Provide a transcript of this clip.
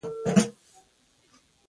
هوښیار څوک دی چې د هر حالت نه ګټه اخلي.